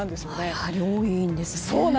やはり多いんですね。